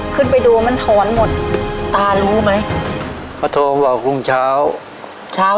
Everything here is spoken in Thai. ขึ้นไปดูมันถอนหมดตารู้ไหมเขาโทรบอกลุงเช้า